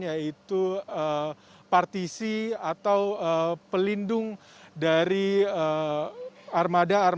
yaitu partisi atau pelindung dari armada armada sepeda motor